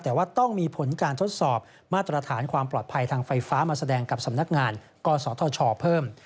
แต่ว่าต้องมีผลการทดสอบมาตรฐานความปลอดภัยทางไฟฟ้ามาแสดงกับสำนักงานกศธชเพิ่ม